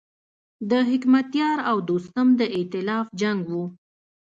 د حکمتیار او دوستم د ایتلاف جنګ و.